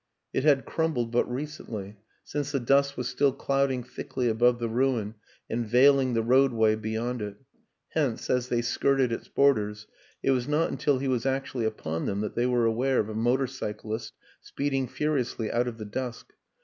It had crumbled but recently, since the dust was still clouding thickly above the ruin and veiling the roadway beyond it; hence, as they skirted its borders, it was not until he was actually upon them that they were aware of a motor cy clist speeding furiously out of the dusk.